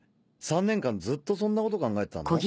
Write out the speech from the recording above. ３年間ずっとそんな事考えてたの？